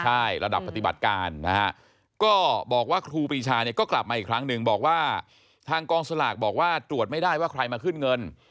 ใช่ระดับปฏิบัติการนะฮะก็บอกว่าครูปรีชาเนี่ยก็กลับมาอีกครั้งหนึ่งบอกว่าทางกองสลากบอกว่าตรวจไม่ได้ว่าใครมาขึ้นเงิน